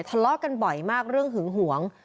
ทะเลาะกันบ่อยมากเรื่องหึงหวง